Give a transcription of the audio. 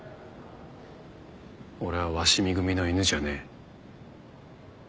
俺は鷲見組の犬じゃねえ。